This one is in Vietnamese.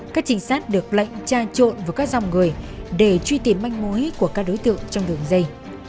các trinh sát được lệnh tra trộn với các dòng người để truy tìm manh mối của các đối tượng trong đường dây